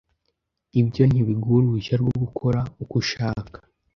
Ibyo ntibiguha uruhushya rwo gukora uko ushaka.